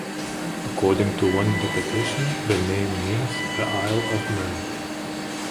According to one interpretation the name means the Isle of Men.